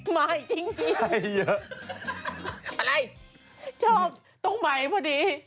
มิวซูอาโหล